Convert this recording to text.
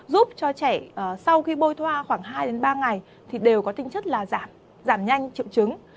giúp cho trẻ sau khi bôi thoa khoảng hai ba ngày thì đều có tinh chất là giảm nhanh triệu chứng